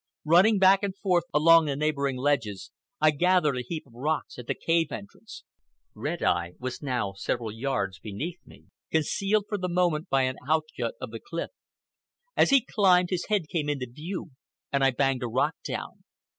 Running back and forth along the neighboring ledges, I gathered a heap of rocks at the cave entrance. Red Eye was now several yards beneath me, concealed for the moment by an out jut of the cliff. As he climbed, his head came into view, and I banged a rock down.